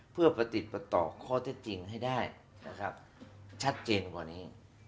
เพื่อประติดประต่อข้อเท็จจริงให้ได้นะครับชัดเจนกว่านี้